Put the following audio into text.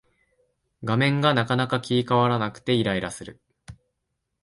画面がなかなか切り替わらなくてイライラする